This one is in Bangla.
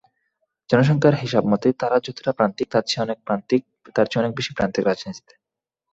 জনসংখ্যার হিসাবমতে তারা যতটা প্রান্তিক, তার চেয়ে অনেক বেশি প্রান্তিক রাজনীতিতে।